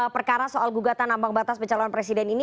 perkara soal gugatan ambang batas pencalon presiden ini